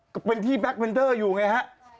ก็เป็นที่แบ็คเวนเดอร์อยู่ไงฮะ